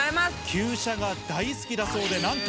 旧車が大好きだそうで、なんと。